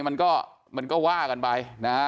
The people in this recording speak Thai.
มันก็ว่ากันไป